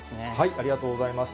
ありがとうございます。